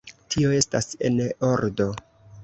Tio estas en ordo.